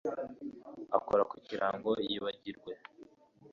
Akora kugirango yibagirwe